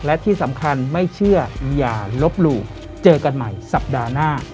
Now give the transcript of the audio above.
และที่สำคัญไม่เชื่ออย่าลบหลู่เจอกันใหม่สัปดาห์หน้า